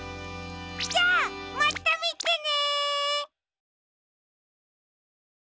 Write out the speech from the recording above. じゃあまたみてね！